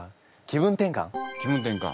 気分転換。